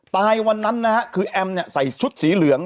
วันนั้นนะฮะคือแอมเนี่ยใส่ชุดสีเหลือง